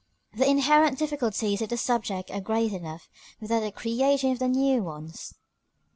The inherent difficulties of the subject are great enough, without the creation of new ones.